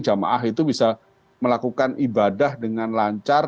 jamaah itu bisa melakukan ibadah dengan lancar